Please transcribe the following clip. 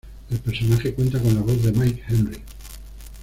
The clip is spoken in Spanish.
El personaje cuenta con la voz de Mike Henry.